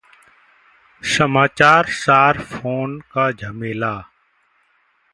समाचार सार -फोन का झमेला